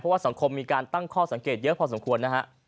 ว่าสังคมมีการตั้งข้อสังเกตเยอะพอสมควรนะฮะ